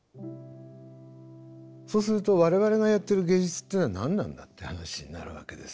そうすると我々がやってる芸術っていうのは何なんだっていう話になるわけです。